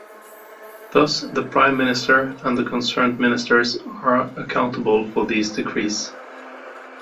Thus the prime minister and the concerned ministers are accountable for these decrees.